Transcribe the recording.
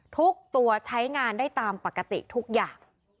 ทุกตัวใช้งานได้ตามปกติทุกอย่าง